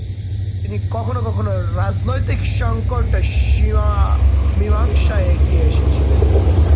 তিনি কখনও কখনও রাজনৈতিক সঙ্কট মীমাংসায় এগিয়ে এসেছেন।